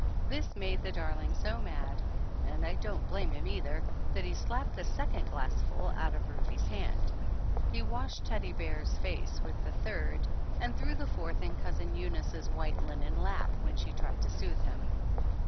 This made the darling so mad, and I don't blame him either, that he slapped the second glassful out of Rufe's hand. He washed Teddy Bear's face with the third, and 265 THE ANNALS OF ANN threw the fourth in Cousin Eunice's white linen lap, when she tried to soothe him.